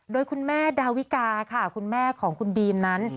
โดยคุณแม่ดาวิกาค่ะคุณแม่ของคุณบีมนั้น